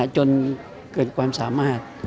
จนเกิดความสามารถ